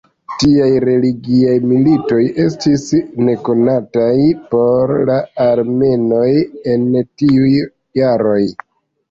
Tiaj religiaj militoj estis nekonataj por la armenoj en tiuj jaroj.